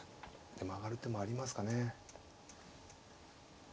でも上がる手もありますかね。